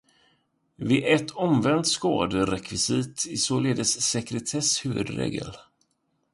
Vid ett omvänt skaderekvisit är således sekretess huvudregel.